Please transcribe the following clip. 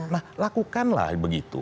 nah lakukanlah begitu